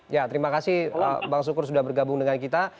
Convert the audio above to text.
ya terima kasih bang sukur sudah bergabung dengan kita